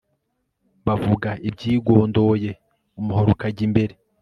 bavuga ibyigondoye umuhoro ukajya imbere